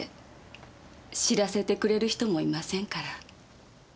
知らせてくれる人もいませんから。